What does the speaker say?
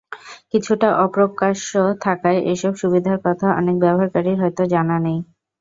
কিছুটা অপ্রকাশ্য থাকায় এসব সুবিধার কথা অনেক ব্যবহারকারীর হয়তো জানা নেই।